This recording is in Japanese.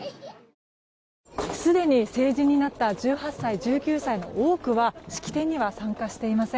すでに成人になった１８歳、１９歳の多くは式典には参加していません。